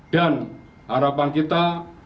dan harapan kita